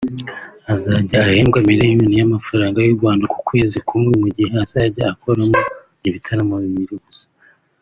azajya ahembwa miliyoni y’amafaranga y’u Rwanda mu kwezi kumwe mu gihe azajya akoramo ibitaramo bibiri gusa